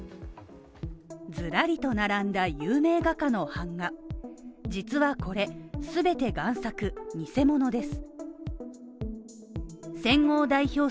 ずらりと並んだ有名画家の版画、実はこれ、すべて贋作偽物です。